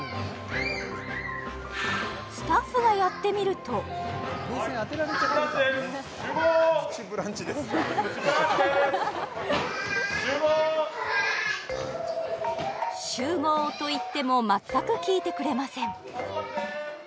スタッフがやってみると「集合」と言っても全く聞いてくれません